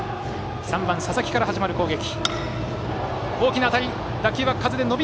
３番、笹木から始まる攻撃。